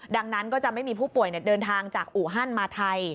ดังนั้นก็จะไม่มีผู้ป่วยเดินทางจากอู่ฮั่นมาไทย